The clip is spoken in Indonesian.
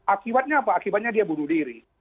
akibatnya apa akibatnya dia bunuh diri